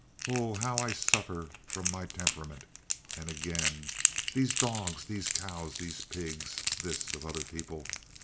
"Ho, how I suffer from my temperament!" And again: "These dogs! These cows! These pigs!" This of other people.